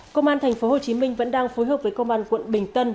công an tp hcm vẫn đang phối hợp với công an quận bình tân